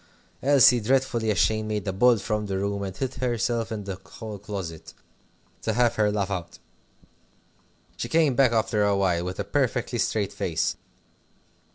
Elsie, dreadfully ashamed, made a bolt from the room, and hid herself in the hall closet to have her laugh out. She came back after a while, with a perfectly straight face.